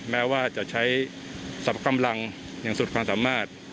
แม้ว่าจะใช้สรรพกำลังอย่างสุดความสามารถ